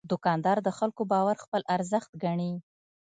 دوکاندار د خلکو باور خپل ارزښت ګڼي.